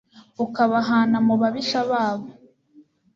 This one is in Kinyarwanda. ukabahana mu babisha babo